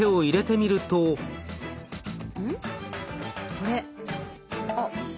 あれ？あっ。